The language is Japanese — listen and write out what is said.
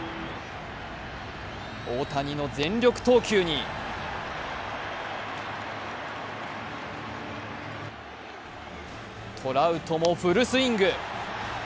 大谷の全力投球にトラウトもフルスイング。